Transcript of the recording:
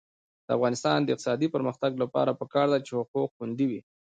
د افغانستان د اقتصادي پرمختګ لپاره پکار ده چې حقوق خوندي وي.